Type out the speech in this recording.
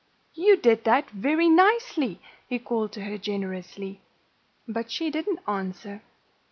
"You did that very nicely," he called to her generously. But she didn't answer.